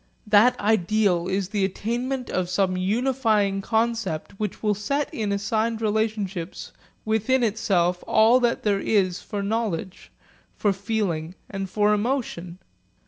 That ideal is the attainment of some unifying concept which will set in assigned relationships within itself all that there is for knowledge, for feeling, and for emotion.